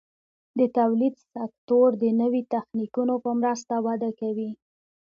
د تولید سکتور د نوي تخنیکونو په مرسته وده کوي.